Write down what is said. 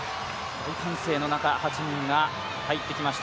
大歓声の中、８人が入ってきました。